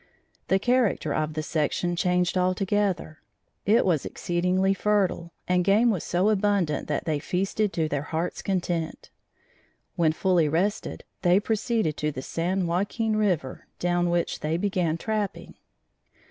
The character of the section changed altogether. It was exceedingly fertile and game was so abundant that they feasted to their heart's content. When fully rested, they proceeded to the San Joaquin river down which they began trapping.